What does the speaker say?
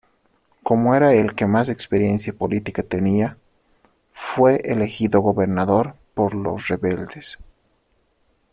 Como era el que más experiencia política tenía, fue elegido gobernador por los rebeldes.